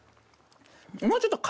もうちょっと。